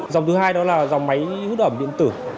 dòng thứ hai đó là dòng máy hút ẩm điện tử